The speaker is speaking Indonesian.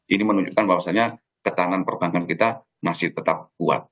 ini menunjukkan bahwasannya ketahanan perbankan kita masih tetap kuat